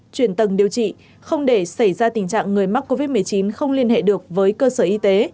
chuyển tầng điều trị không để xảy ra tình trạng người mắc covid một mươi chín không liên hệ được với cơ sở y tế